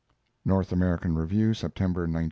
[North American Review, September, 1906.